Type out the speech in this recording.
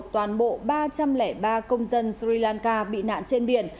toàn bộ ba trăm linh ba công dân sri lanka bị nạn trên biển